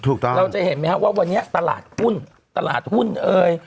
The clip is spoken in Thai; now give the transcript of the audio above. เราจะเห็นไหมครับว่าวันนี้ตลาดหุ้นตลาดหุ้นเอ่ย